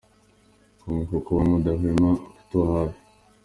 com ku kuba mudahwema kutuba hafi.